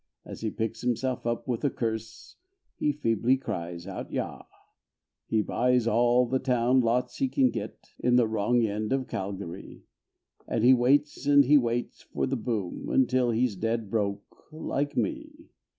As he picks himself up with a curse, He feebly cries out "yah"! He buys all the town lots he can get In the wrong end of Calgary, And he waits and he waits for the boom Until he's dead broke like me.